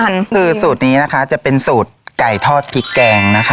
สูตรนี้นะคะจะเป็นสูตรไก่ทอดพริกแกงนะคะ